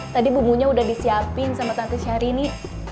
tadi bumbunya udah disiapin sama tante syahrini